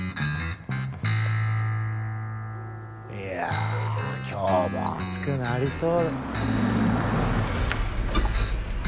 いや今日も暑くなりそう。